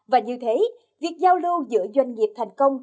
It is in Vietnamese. và như thế việc giao lưu giữa doanh nghiệp thành công